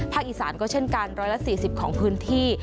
ภาคอีสานก็เช่นกันร้อยละ๔๐ของพื้นที่